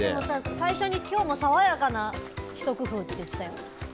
最初に今日も爽やかなひと工夫って言ってたよ。